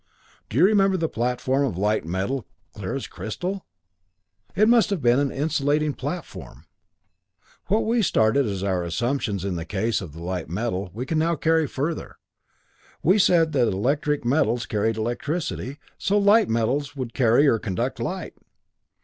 "Do you remember the platform of light metal, clear as crystal? It must have been an insulating platform. What we started as our assumptions in the case of the light metal, we can now carry further. We said that electricity metals carried electricity, so light metals would carry or conduct light.